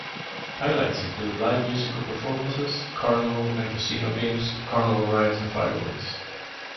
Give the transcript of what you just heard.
Highlights include live musical performances, carnival and casino games, carnival rides and fireworks.